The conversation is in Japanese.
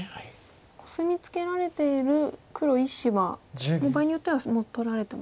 コスミツケられている黒１子は場合によってはもう取られても。